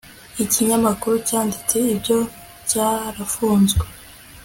ikinyamakuru cyanditse ibyo cyarafunzwe